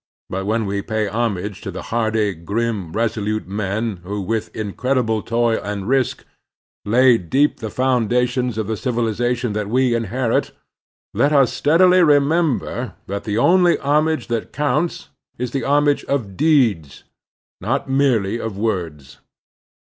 But when we pay hom age to the hardy, grim, resolute men who, with incredible toil and risk, laid deep the foundations 16 24* The Strenuous Life. of the civilization that we inherit, let us steadily remember that the only homage that counts is the homage of deeds — not merely of words.